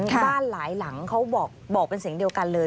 บ้านหลายหลังเขาบอกเป็นเสียงเดียวกันเลย